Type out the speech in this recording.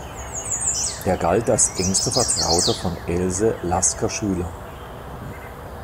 Er galt als engster Vertrauter von Else Lasker-Schüler.